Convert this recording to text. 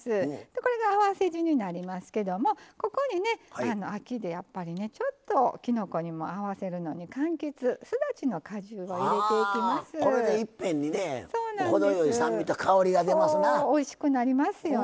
これがあわせ酢になりますけどここに、秋でやっぱり、ちょっときのこにも合わせるのにかんきつ、すだちの果汁を入れていきます。